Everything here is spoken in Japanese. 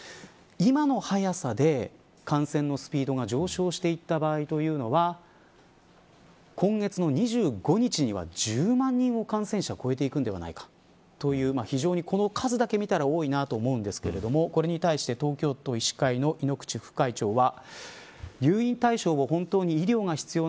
今の速さで、感染のスピードが上昇していった場合というのは今月の２５日には１０万人を感染者、超えていくのではないかという、非常に数だけ見たら多いなと思うんですがこれに対して東京都医師会の猪口副会長は。